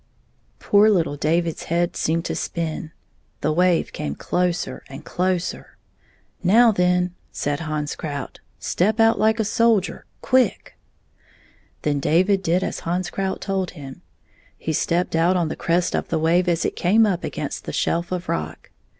Poor httle David's head seemed to spin. The wave came closer and closer. " Now, then," said Hans Krout, "step out hke a soldier — quick!" Then David did as Hans Krout told him. He stepped out on the crest of the wave as it came up against the shelf of rock.